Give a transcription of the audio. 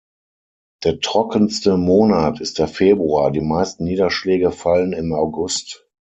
Der trockenste Monat ist der Februar, die meisten Niederschläge fallen im August.